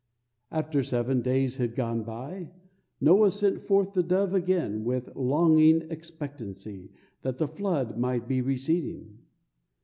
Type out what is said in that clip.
After seven days had gone by Noah sent forth the dove again with longing expectancy that the flood might be receding.